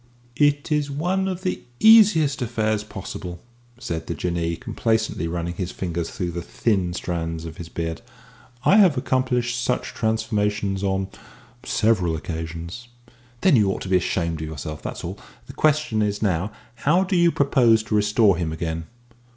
"It is one of the easiest affairs possible," said the Jinnee, complacently running his fingers through the thin strands of his beard. "I have accomplished such transformations on several occasions." "Then you ought to be ashamed of yourself, that's all. The question is now how do you propose to restore him again?"